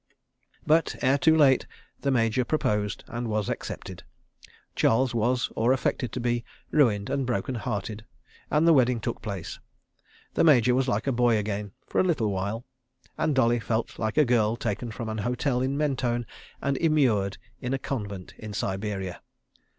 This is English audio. ... But, ere too late, the Major proposed and was accepted. Charles was, or affected to be, ruined and broken hearted, and the wedding took place. The Major was like a boy again—for a little while. And Dolly felt like a girl taken from an hotel in Mentone and immured in a convent in Siberia.